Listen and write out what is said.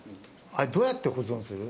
あれどうやって保存する？